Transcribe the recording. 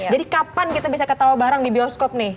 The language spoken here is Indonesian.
jadi kapan kita bisa ketawa bareng di bioskop nih